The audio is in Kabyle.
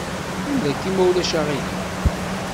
Qqim daki ma ulac aɣilif.